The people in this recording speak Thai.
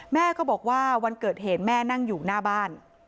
แม่ก็บอกว่าวันเกิดเหตุแม่นั่งอยู่หน้าบ้าน